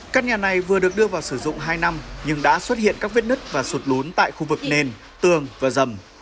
các nhà này vừa được đưa vào sử dụng hai năm nhưng đã xuất hiện các vết nứt và sụt lún tại khu vực nền tường và dầm